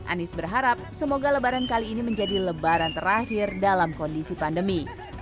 anies berharap semoga lebaran kali ini menjadi lebaran terakhir dalam kondisi pandemi